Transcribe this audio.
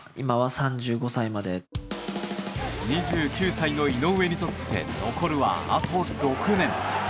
２９歳の井上にとって残るは、あと６年。